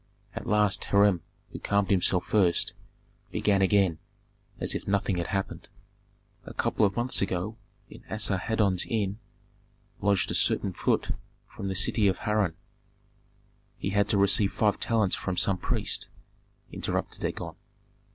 At last Hiram, who calmed himself first, began again, as if nothing had happened. "A couple of months ago, in Asarhadon's inn, lodged a certain Phut from the city of Harran " "He had to receive five talents from some priest," interrupted Dagon.